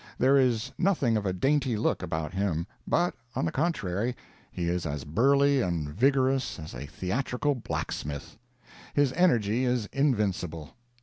There is nothing of a dainty look about him, but, on the contrary, he is as burly and vigorous as a theatrical blacksmith. His energy is invincible.